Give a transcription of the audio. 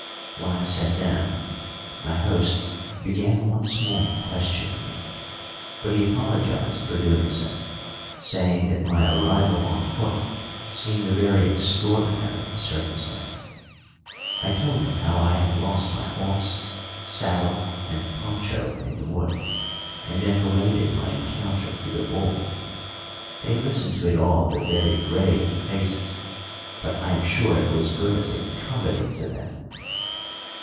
When I sat down my host began once more questioning me; but he apologised for doing so, saying that my arrival on foot seemed a very extraordinary circumstance. I told them how I had lost my horse, saddle, and poncho in the wood, and then related my encounter with the bull. They listened to it all with very grave faces, but I am sure it was as good as a comedy to them.